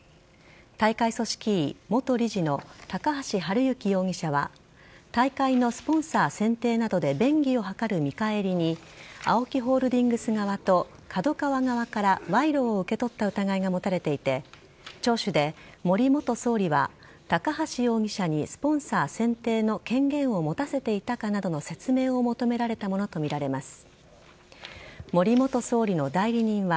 大会組織委元理事の高橋治之容疑者は大会のスポンサー選定などで便宜を図る見返りにＡＯＫＩホールディングス側とＫＡＤＯＫＡＷＡ側から賄賂を受け取った疑いが持たれていて聴取で森元総理は高橋容疑者にスポンサー選定の権限を持たせていたかなどの説明を求められたものとみられます。